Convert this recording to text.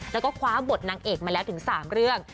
แล้วก็คว้าบทนางเอกมาแล้วถึง๓เรื่อง